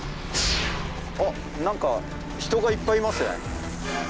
あっ何か人がいっぱいいますね。